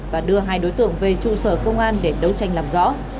và đưa hai đối tượng về trụ sở công an để đấu tranh làm rõ